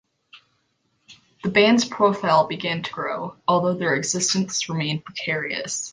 The band's profile began to grow, although their existence remained precarious.